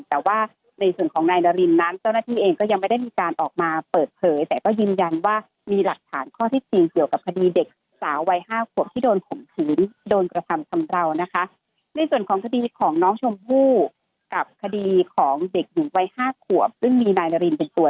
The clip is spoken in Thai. แต่ว่าในส่วนของนายนารินนั้นเจ้าหน้าที่เองก็ยังไม่ได้มีการออกมาเปิดเผยแต่ก็ยืนยันว่ามีหลักฐานข้อที่๔เกี่ยวกับคดีเด็กสาววัย๕ขวบที่โดนขุมถือโดนประธรรมทำบราวนะคะ